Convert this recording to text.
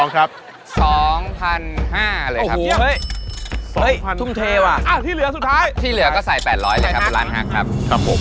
ก็จะได้แปดร้อยเลยครับเป็นล้านหักครับ